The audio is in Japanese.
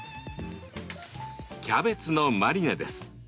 キャベツのマリネです。